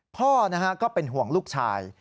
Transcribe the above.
พ่อก็เป็นห่วงลูกชาย